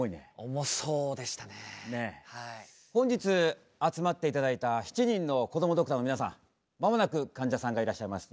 本日集まって頂いた７人のこどもドクターの皆さん間もなくかんじゃさんがいらっしゃいます。